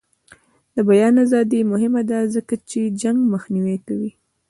د بیان ازادي مهمه ده ځکه چې جنګ مخنیوی کوي.